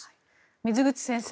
水口先生